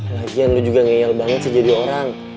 lagian lu juga ngenyal banget sih jadi orang